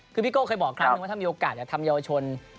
คือพี่โก้เคยบอกครั้งนึงว่าถ้ามีโอกาสอยากทำเยาวชน